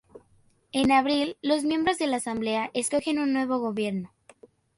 En abril, los miembros de la Asamblea escogen un nuevo gobierno.